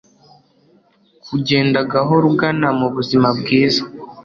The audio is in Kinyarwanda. kugenda gahoro ugana mubuzima bwiza